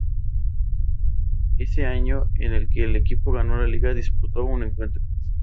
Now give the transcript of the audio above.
Ese año, en el que el equipo ganó la Liga, disputó un encuentro.